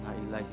gue mau berpikir